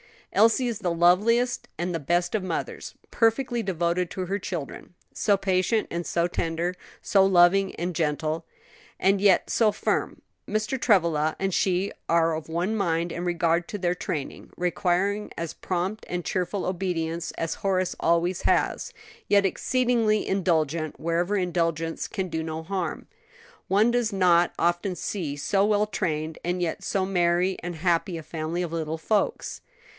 "Elsie is the loveliest and the best of mothers, perfectly devoted to her children; so patient and so tender, so loving and gentle, and yet so firm. Mr. Travilla and she are of one mind in regard to their training, requiring as prompt and cheerful obedience as Horace always has; yet exceedingly indulgent wherever indulgence can do no harm. One does not often see so well trained and yet so merry and happy a family of little folks.